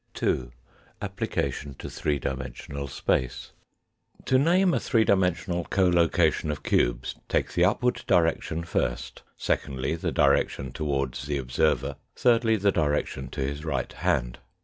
Fig. 2. 2. Application to Three Dimensional Space. To name a three dimensional collocation of cubes take the upward direction first, secondly the direction towards the observer, thirdly the direction to his right hand.